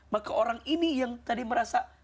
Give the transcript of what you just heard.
maka orang ini yang tadi merasa